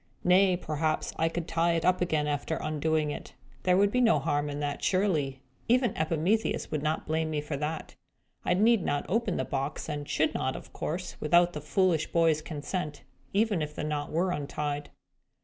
Nay, perhaps I could tie it up again, after undoing it. There would be no harm in that, surely. Even Epimetheus would not blame me for that. I need not open the box, and should not, of course, without the foolish boy's consent, even if the knot were untied."